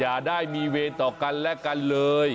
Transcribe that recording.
อย่าได้มีเวย์ต่อกันและกันเลย